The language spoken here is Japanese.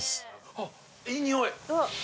あっいい匂い。